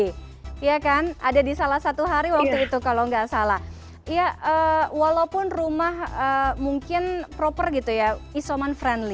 iya kan ada di salah satu hari waktu itu kalau gak salah iya kan ada di salah satu hari waktu itu kalau gak salah